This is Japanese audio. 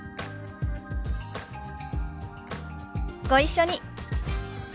ご一緒に。